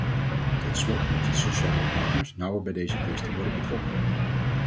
Tot slot moeten de sociale partners nauwer bij deze kwestie worden betrokken.